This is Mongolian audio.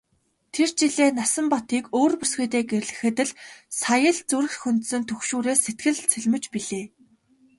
Тэр жилээ Насанбатыг өөр бүсгүйтэй гэрлэхэд л сая зүрх хөндсөн түгшүүрээс сэтгэл цэлмэж билээ.